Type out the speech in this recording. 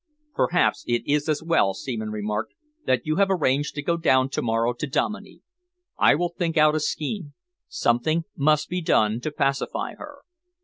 "Perhaps it is as well," Seaman remarked, "that you have arranged to go down to morrow to Dominey. I will think out a scheme. Something must be done to pacify her."